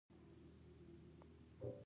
هره اشتباه مالي زیان لري.